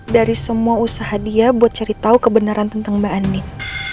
dari semua usaha dia buat cari tahu kebenaran tentang mbak andin